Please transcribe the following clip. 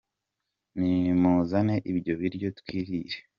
Nimuzane ibyo biryo twirire